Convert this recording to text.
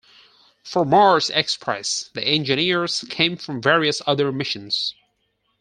For Mars Express the engineers came from various other missions.